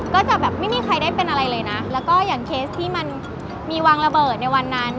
ก็จะแบบไม่มีใครได้เป็นอะไรเลยนะแล้วก็อย่างเคสที่มันมีวางระเบิดในวันนั้น